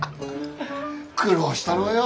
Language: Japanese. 苦労したのはよ